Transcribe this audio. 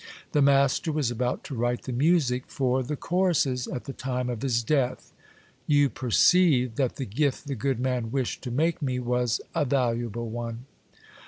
The master was about to write the music for the choruses at the time of his death. You perceive that the gift the good man wished to make me was a valuable one.